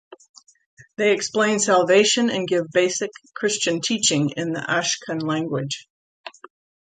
They explain salvation and give basic Christian teaching in the Ashkun language.